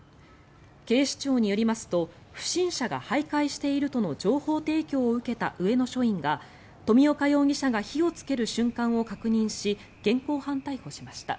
警視庁によりますと不審者が徘徊しているとの情報提供を受けた上野署員が富岡容疑者が火をつける瞬間を確認し現行犯逮捕しました。